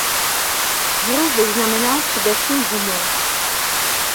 Hru vyznamenal především humor.